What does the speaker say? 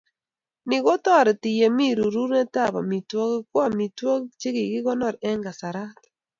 Ni kotoreti yemi rerunetab amitwogik ko amitwokik che kikikonor eng kasarat